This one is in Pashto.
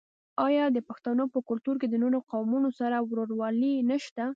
آیا د پښتنو په کلتور کې د نورو قومونو سره ورورولي نشته؟